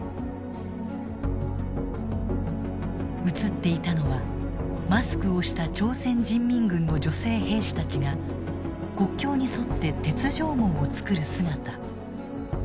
映っていたのはマスクをした朝鮮人民軍の女性兵士たちが国境に沿って鉄条網を作る姿。